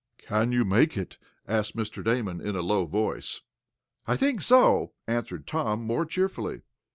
"Can you make it?" asked Mr. Damon, in a low voice. "I think so," answered Tom, more cheerfully.